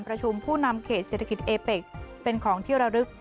ผู้นำเขตเศรษฐกิจเอเป็กเป็นของที่ระลึก